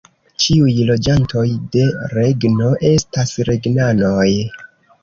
Ĉiuj loĝantoj de regno estas regnanoj.